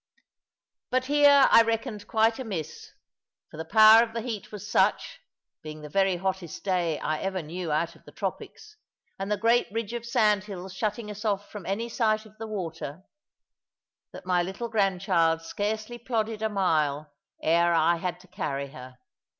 But here I reckoned quite amiss, for the power of the heat was such being the very hottest day I ever knew out of the tropics, and the great ridge of sandhills shutting us off from any sight of the water that my little grandchild scarcely plodded a mile ere I had to carry her.